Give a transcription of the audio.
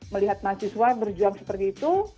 melihat mahasiswa berjuang seperti itu